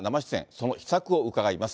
その秘策を伺います。